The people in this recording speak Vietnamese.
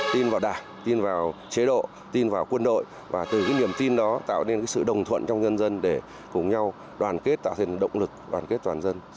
tin vào đảng tin vào chế độ tin vào quân đội và từ cái niềm tin đó tạo nên sự đồng thuận trong nhân dân để cùng nhau đoàn kết tạo thêm động lực đoàn kết toàn dân